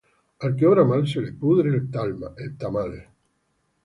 Al que obra mal se le pudre el tamal